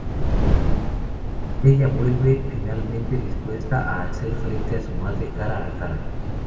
Bella vuelve finalmente, dispuesta a hacer frente a su madre cara a cara.